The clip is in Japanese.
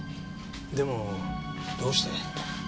でもどうして。